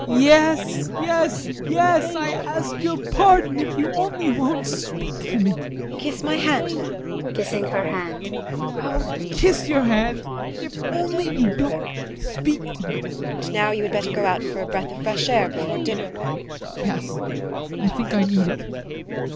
ADOLPH. Yes, yes, yes, I ask your pardon if you only won't speak to me! TEKLA. Kiss my hand then! ADOLPH. [Kissing her hand] I'll kiss your hand if you only don't speak to me! TEKLA. And now you had better go out for a breath of fresh air before dinner. ADOLPH. Yes, I think I need it.